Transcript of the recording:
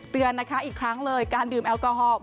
เตือนนะคะอีกครั้งเลยการดื่มแอลกอฮอล์